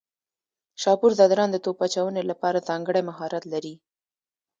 شاپور ځدراڼ د توپ اچونې لپاره ځانګړی مهارت لري.